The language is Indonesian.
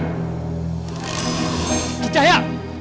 untuk kedua kalinya